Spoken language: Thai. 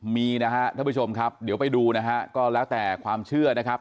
มีนะฮะท่านผู้ชมครับเดี๋ยวไปดูนะฮะก็แล้วแต่ความเชื่อนะครับ